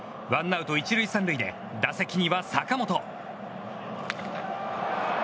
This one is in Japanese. ワンアウト１塁３塁で打席には坂本。